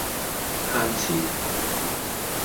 慳錢